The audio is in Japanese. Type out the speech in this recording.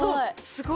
すごい。